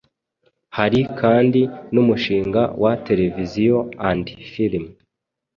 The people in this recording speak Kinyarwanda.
Hari kandi n’umushinga wa ‘Television and Film’